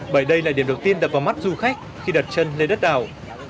bởi đây là điểm đầu tiên đập vào mắt du khách khi đặt chân lên đất đảo